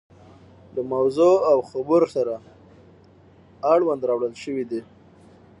له موضوع او خبور سره اړوند راوړل شوي دي.